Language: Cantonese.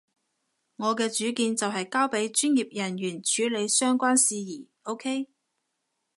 我嘅主見就係交畀專業人員處理相關事宜，OK？